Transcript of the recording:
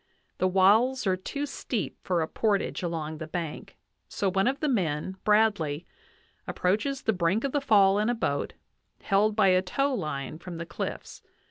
The walls are too steep for a portage along the bank; so one of the men, Bradley, approaches the brink of the fall in a boat, held by a tow line from the cliffs.